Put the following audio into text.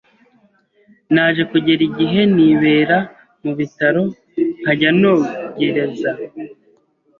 Naje kugera igihe nibera mu bitaro nkajya nogereza